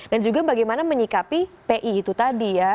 dan juga bagaimana menyikapi pi itu tadi ya